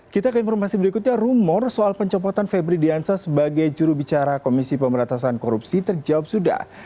kita ke informasi berikutnya rumor soal pencopotan febri diansa sebagai jurubicara komisi pemberantasan korupsi terjawab sudah